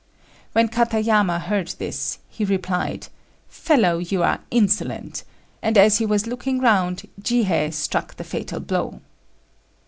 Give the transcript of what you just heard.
When Katayama heard this, he replied, "Fellow, you are insolent;" and as he was looking round, Jihei struck the fatal blow.